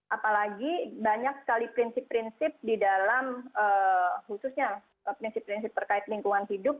apalagi banyak sekali prinsip prinsip di dalam khususnya prinsip prinsip terkait lingkungan hidup